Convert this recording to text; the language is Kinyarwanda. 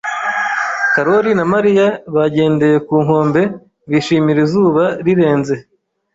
Karoli na Mariya bagendeye ku nkombe, bishimira izuba rirenze.